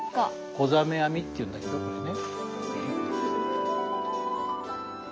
ござ目あみっていうんだけどこれね。